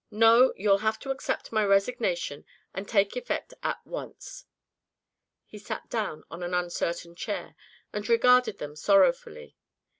No, you'll have to accept my resignation, to take effect at once." He sat down on an uncertain chair and regarded them sorrowfully.